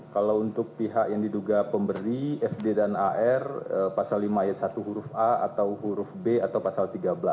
kalau untuk pihak yang diduga pemberi fd dan ar pasal lima ayat satu huruf a atau huruf b atau pasal tiga belas